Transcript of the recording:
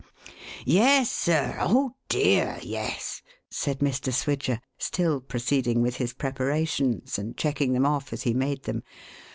" Yes, sir. Oh dear, yes !" said Mr. Swidger, still pro ceeding with his preparations, and checking them off' as he made them.